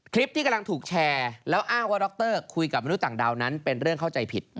คลิปที่กำลังถูกแชร์แล้วอ้างว่าดรคุยกับมนุษย์ต่างดาวนั้นเป็นเรื่องเข้าใจผิด